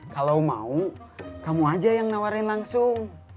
kalau mau kamu aja yang nawarin langsung